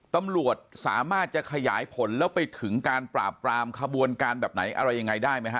ตำรวจสามารถจะขยายผลแล้วไปถึงการปราบปรามขบวนการแบบไหนอะไรยังไงได้ไหมฮะ